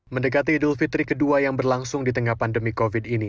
mendekati idul fitri ke dua yang berlangsung di tengah pandemi covid sembilan belas ini